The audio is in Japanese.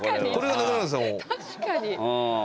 確かに。